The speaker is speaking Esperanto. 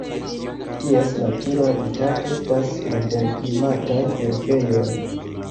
Ties natura habitato estas moderklimataj herbejoj.